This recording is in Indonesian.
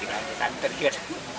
tidak ada santri kir